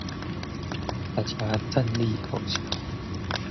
大家戰力好強